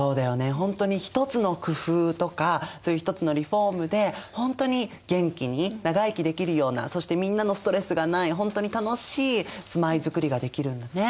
本当に一つの工夫とかそういう一つのリフォームで本当に元気に長生きできるようなそしてみんなのストレスがない本当に楽しい住まいづくりができるんだね。